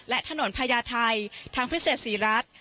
และถนนพญาไทยทางพิเศษศรีรัฐ